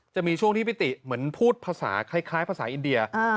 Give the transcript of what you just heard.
จะมีช่วงที่พี่ติเหมือนพูดภาษาคล้ายภาษาอินเดีย